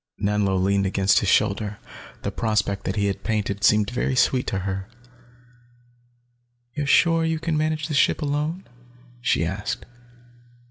Nanlo leaned against his shoulder, the prospect that he painted seemed very sweet to her. "You're sure you can manage the ship alone?" she asked.